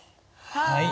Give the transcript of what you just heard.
はい。